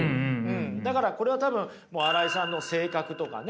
だからこれは多分新井さんの性格とかね。